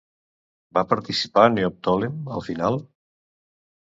Va participar Neoptòlem al final?